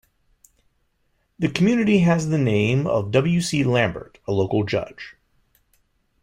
The community has the name of W. C. Lambert, a local judge.